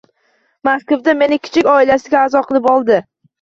Moskvada meni kichik oilasiga aʼzo qilib oldi.